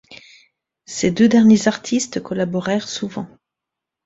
Ces deux derniers artistes collaborèrent souvent.